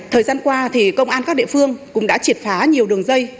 thời gian qua thì công an các địa phương cũng đã triệt phá nhiều đường dây